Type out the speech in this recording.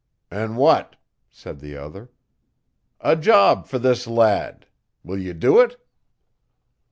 'An' what?' said the other. 'A job for this lad. Wull ye do it?'